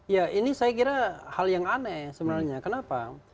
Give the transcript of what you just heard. ya ini saya kira hal yang aneh sebenarnya kenapa